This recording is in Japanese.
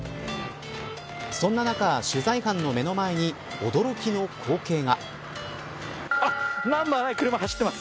そんな中、取材班の目の前に驚きの光景が。